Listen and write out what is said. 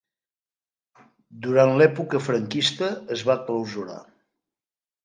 Durant l'època franquista es va clausurar.